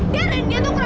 biarin dia kurang ajar ma